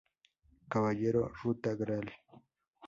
Caballero- Ruta Gral.